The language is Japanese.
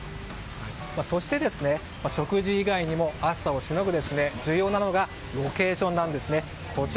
そして、食事以外にも暑さをしのぐのに重要なのがロケーションなんですね。